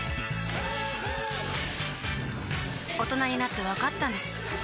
大人になってわかったんです